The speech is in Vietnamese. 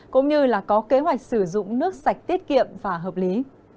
cũng như là có kế hoạch sử dụng nước sạch tiết kiệm và hợp lý